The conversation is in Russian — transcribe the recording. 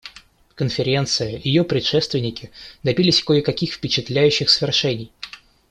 Конференция и ее предшественники добились кое-каких впечатляющих свершений.